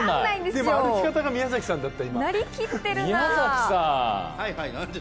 歩き方が宮崎さんだった。